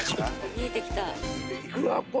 見えてきた。